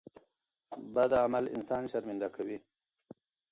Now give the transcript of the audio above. بد عمل انسان شرمنده کوي.